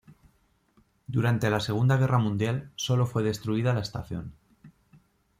Durante la Segunda guerra mundial solo fue destruida la estación.